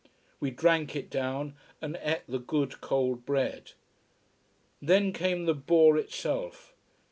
We drank it down, and ate the good, cold bread. Then came the boar itself.